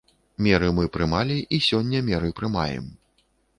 Меры мы прымалі, і сёння меры прымаем.